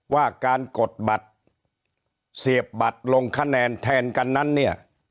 ว่าการกดบัตรเสียบบัตรลงคะแนนแทนกันนั้นเนี่ย